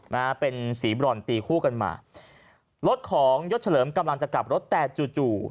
นะฮะเป็นสีบรอนตีคู่กันมารถของยศเฉลิมกำลังจะกลับรถแต่จู่จู่